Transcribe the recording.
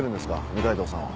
二階堂さんは。